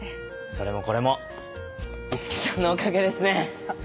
それもこれも五木さんのおかげですね。